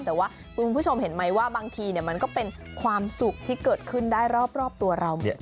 แต่ว่าคุณผู้ชมเห็นไหมว่าบางทีมันก็เป็นความสุขที่เกิดขึ้นได้รอบตัวเราเหมือนกัน